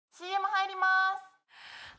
ＣＭ入ります！